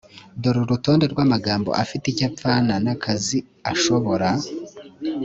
dore urutonde rw amagambo afite icyo apfana n akazi ashobora